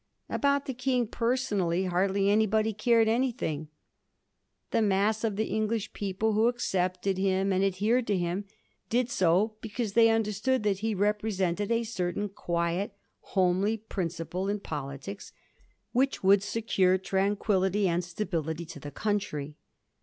About the King personally hardly anybody cared anjrthing. The mass of the English people who accepted him and adhered to him did so because they understood that he represented a certain quiet homely principle in politics which would secure tranquillity and stability to the country.